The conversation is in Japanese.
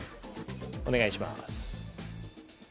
お願いします。